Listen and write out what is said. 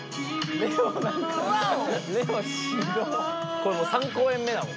これ３公演目だもん。